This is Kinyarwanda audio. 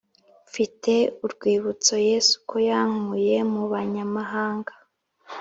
mfite urwibiutso yesu ko yankuyr mubanyamahanga